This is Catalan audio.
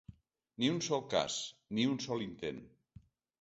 Ni un sol cas, ni un sol intent.